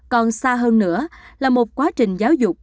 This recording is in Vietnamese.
còn xa hơn nữa là một quá trình